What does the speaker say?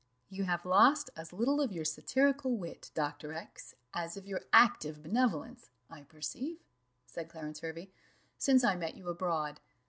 "You have lost as little of your satirical wit, Dr. X , as of your active benevolence, I perceive," said Clarence Hervey, "since I met you abroad.